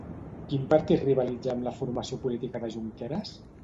Quin partit rivalitza amb la formació política de Junqueras?